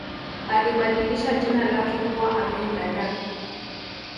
alibadilisha jina lake kuwa amin dada